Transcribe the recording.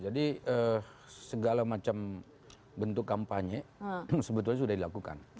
jadi segala macam bentuk kampanye sebetulnya sudah dilakukan